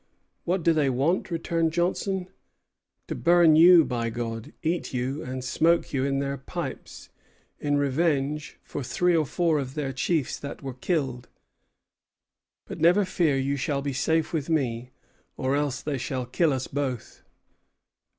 "What do they want?" returned Johnson. "To burn you, by God, eat you, and smoke you in their pipes, in revenge for three or four of their chiefs that were killed. But never fear; you shall be safe with me, or else they shall kill us both."